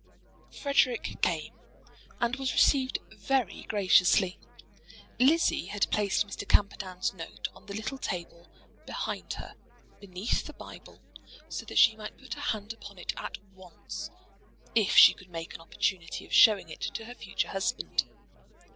"Frederic" came and was received very graciously. Lizzie had placed Mr. Camperdown's note on the little table behind her, beneath the Bible, so that she might put her hand upon it at once, if she could make an opportunity of showing it to her future husband.